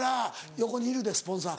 横にいるでスポンサー。